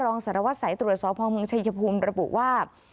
รองสารวัติสายตรวจสอบพมชพุมระบุว่า